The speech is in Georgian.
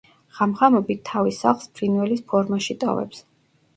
ღამ-ღამობით თავის სახლს ფრინველის ფორმაში ტოვებს.